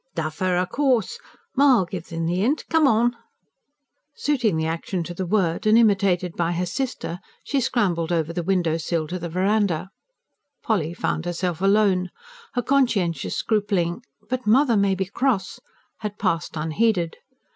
"Duffer! Of course. Ma'll give 'em the 'int. Come on!" Suiting the action to the word, and imitated by her sister, she scrambled over the window sill to the verandah. Polly found herself alone. Her conscientious scrupling: "But mother may be cross!" had passed unheeded.